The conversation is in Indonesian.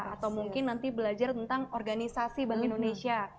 atau mungkin nanti belajar tentang organisasi bank indonesia